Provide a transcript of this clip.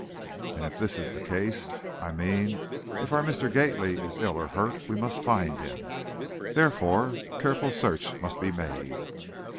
And, if this is the case, I mean, if our Mr. Gately is ill or hurt, we must find him. Therefore, careful search must be made."